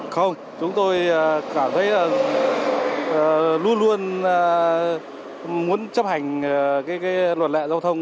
không chúng tôi cảm thấy là luôn luôn muốn chấp hành cái luật lệ giao thông